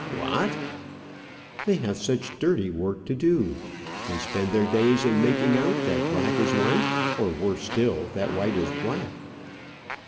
"What?" "They have such dirty work to do. They spend their days in making out that black is white; or, worse still, that white is black."